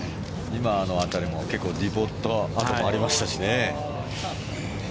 今の辺りも結構ディボット跡もありましたしね。